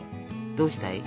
どうしたい？